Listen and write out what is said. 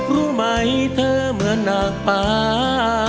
รู้ไหมเธอเหมือนหนักป่า